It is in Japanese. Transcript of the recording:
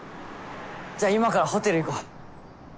じゃあ今からホテル行こう。